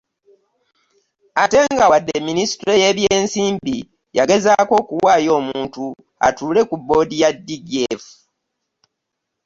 Ate nga wadde Minisitule y'ebyensimbi yagezaako okuwaayo omuntu atuule ku bboodi ya DGF